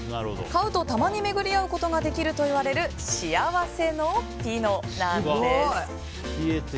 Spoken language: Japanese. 買うと、たまにめぐり合うことができるといわれる幸せのピノなんです。